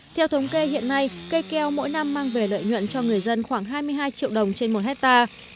theo thống kê hiện nay cây keo mỗi năm mang về lợi nhuận cho người dân khoảng hai mươi hai triệu đồng trên một hectare